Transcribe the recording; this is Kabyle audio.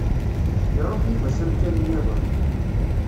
Iruḥ Yuba s amkan-nniḍen.